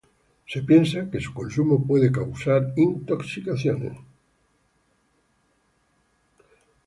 Se piensa que su consumo puede causar intoxicaciones.